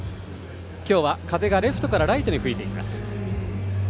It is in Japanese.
今日は風がレフトからライトに吹いています。